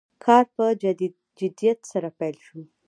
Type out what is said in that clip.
کار په جدیت سره پیل شو.